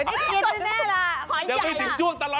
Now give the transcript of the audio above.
เดี๋ยวได้กินแน่ล่ะ